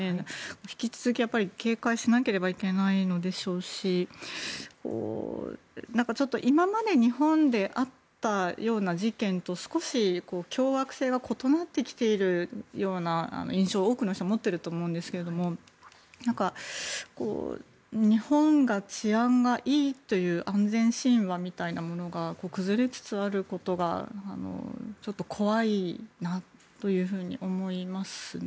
引き続き警戒しなければいけないのでしょうし今まで日本であったような事件と少し凶悪性が異なってきているような印象を多くの人が持っていると思うんですが日本が治安がいいという安全神話みたいなものが崩れつつあることが怖いなというふうに思いますね。